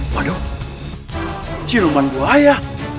waduh ciuman buaya